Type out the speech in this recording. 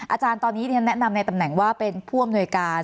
อาจารย์ตอนนี้เรียนแนะนำในตำแหน่งว่าเป็นผู้อำนวยการ